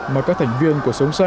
mà các thành viên của sống xanh